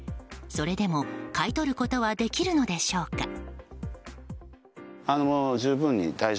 それでも、買い取ることはできるのでしょうか。